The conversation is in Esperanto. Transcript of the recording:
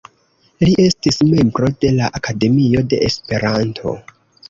Li estis membro de la Akademio de Esperanto.